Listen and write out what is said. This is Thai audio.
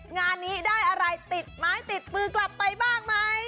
งานนี้ได้อะไรติดไม้ติดมือกลับไปบ้างไหม